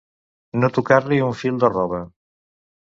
No tocar-li un fil de roba.